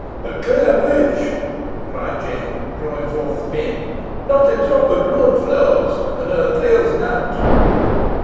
"A clear witch!" cried Jem, drawing forth the pin; "not a drop o' blood flows, an hoo feels nowt!"